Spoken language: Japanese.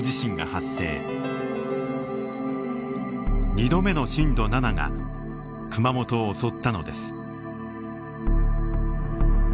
２度目の震度７が熊本を襲ったのです。